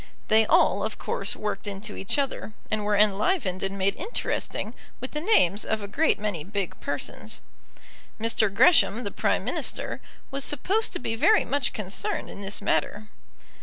They all, of course, worked into each other, and were enlivened and made interesting with the names of a great many big persons. Mr. Gresham, the Prime Minister, was supposed to be very much concerned in this matter.